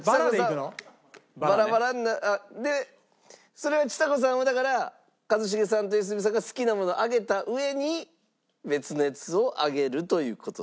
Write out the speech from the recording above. それはちさ子さんはだから一茂さんと良純さんが好きなものを上げた上に別のやつを上げるという事ですね